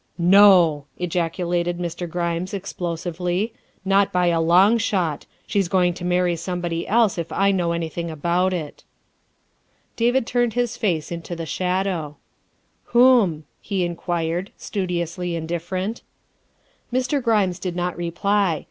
'" No," ejaculated Mr. Grimes explosively, "not by a long shot. She's going to marry somebody else if I know anything about it." David turned his face into the shadow. 342 THE WIFE OF " Whom?" he inquired, studiously indifferent. Mr. Grimes did not reply.